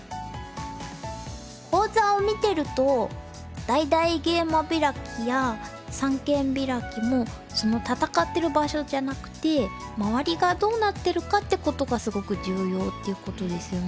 講座を見てると大々ゲイマビラキや三間ビラキもその戦ってる場所じゃなくて周りがどうなってるかってことがすごく重要っていうことですよね。